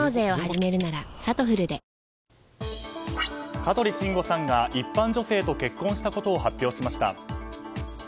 香取慎吾さんが一般女性と結婚したことを発表しました。